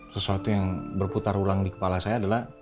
sesuatu yang berputar ulang di kepala saya adalah